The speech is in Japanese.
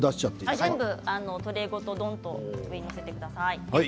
トレーごとどんと上に載せてください。